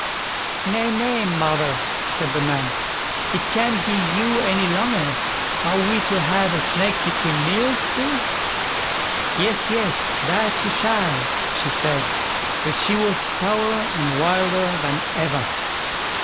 "Nay, nay, mother", said the man, "it can't be you any longer; are we to have a snack between meals too?" "Yes, yes, that you shall", she said; but she was sourer and wilder than ever.